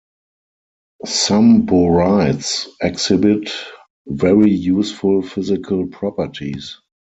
Some borides exhibit very useful physical properties.